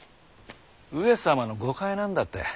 上様の誤解なんだって。